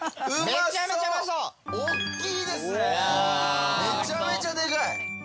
めちゃめちゃでかい。